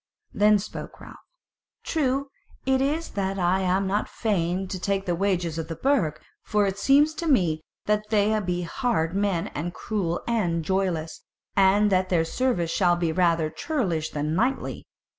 Then spoke Ralph: "True it is that I am not fain to take the wages of the Burg; for it seems to me that they be hard men, and cruel and joyless, and that their service shall be rather churlish than knightly.